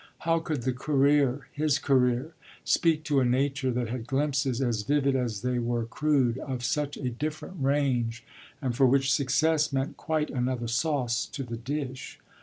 How could the career his career speak to a nature that had glimpses as vivid as they were crude of such a different range and for which success meant quite another sauce to the dish?